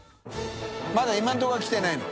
淵劵蹈漾まだ今のところは来てないの？